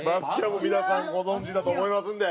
もう皆さんご存じだと思いますんで。